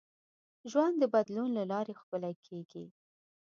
ژوند د بدلون له لارې ښکلی کېږي.